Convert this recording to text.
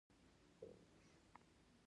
آیا دوی نوي تخمونه نه جوړوي؟